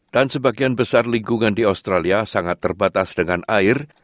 dan sebagian besar lingkungan di australia sangat terbatas dengan air